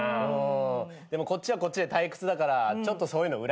でもこっちはこっちで退屈だからちょっとそういうのうらやましいかも。